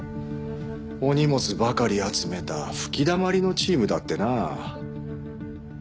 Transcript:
お荷物ばかり集めた吹きだまりのチームだってな。